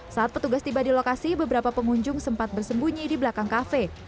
saat petugas tiba di lokasi beberapa pengunjung sempat bersembunyi di belakang kafe